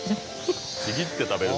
ちぎって食べる。